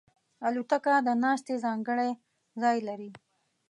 الوتکه د ناستې ځانګړی ځای لري.